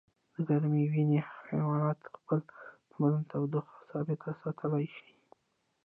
د ګرمې وینې حیوانات خپل د بدن تودوخه ثابته ساتلی شي